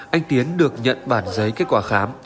anh tiến được nhận bản giấy kết quả khám